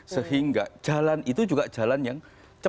sehingga jalan itu juga jalan yang cepat